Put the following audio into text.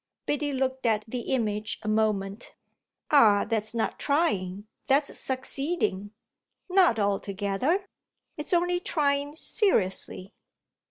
Biddy looked at the image a moment. "Ah that's not trying; that's succeeding." "Not altogether; it's only trying seriously."